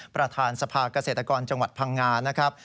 ประธานสภาเกษตรกรจังหวัดพังงานะครับ